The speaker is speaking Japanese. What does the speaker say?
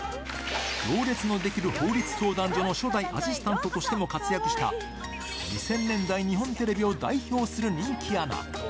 行列のできる法律相談所の初代アシスタントとしても活躍した、２０００年代、日本テレビを代表する人気アナ。